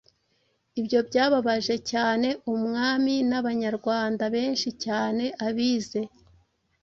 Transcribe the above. Ibyo byababaje cyane umwami n'Abanyarwanda benshi cyane abize.